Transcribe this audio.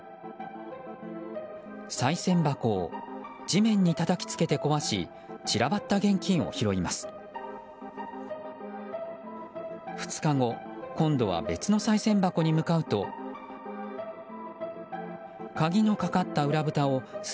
さい銭箱を地面にたたきつけて壊し散らばった現金を拾います。